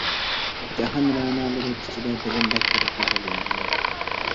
جاھان رەنالىرى ئىچىدە بىلىمدەك بىر گۈزەل يار يوق!